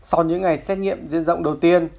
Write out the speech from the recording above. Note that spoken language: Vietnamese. sau những ngày xét nghiệm diễn rộng đầu tiên